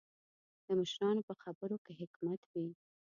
د مشرانو په خبرو کې حکمت وي.